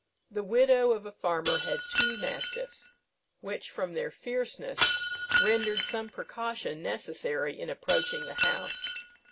The widow of a farmer had two mastiffs, which, from their fierceness, rendered some precaution necessary in approaching the house.